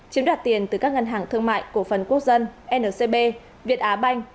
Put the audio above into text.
chiếm đoạt tiền từ các ngân hàng thương mại của phần quốc dân nrcb việt á banh